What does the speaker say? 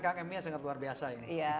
kkm nya sangat luar biasa